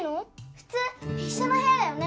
普通一緒の部屋だよね